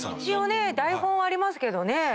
一応ね台本はありますけどね。